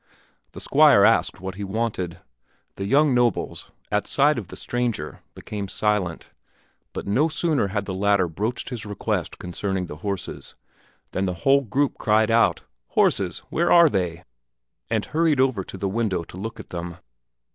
The Squire asked what he wanted; the young nobles, at sight of the stranger, became silent; but no sooner had the latter broached his request concerning the horses, than the whole group cried out, "Horses! Where are they?" and hurried over to the window to look at them.